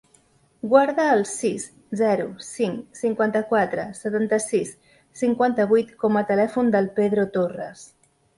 Guarda el sis, zero, cinc, cinquanta-quatre, setanta-sis, cinquanta-vuit com a telèfon del Pedro Torras.